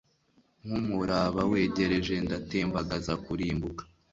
nkumuraba wegereje ndatembagaza kurimbuka